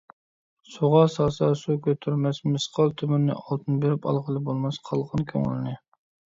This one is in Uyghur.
سۇغا سالسا سۇ كۆتۈرمەس مىسقال تۆمۈرنى ئالتۇن بېرىپ ئالغىلى بولماس قالغان كۆڭۈلنى .